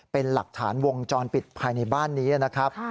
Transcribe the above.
เป็นหลักฐานวงจรปิดภายในบ้านนี้นะครับ